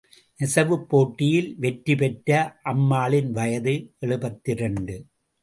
நெசவுப் போட்டியில் வெற்றி பெற்ற அம்மாளின் வயது எழுபத்திரண்டு.